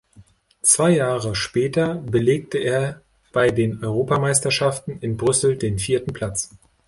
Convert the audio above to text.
Zwei Jahre später belegte er bei den Europameisterschaften in Brüssel den vierten Platz.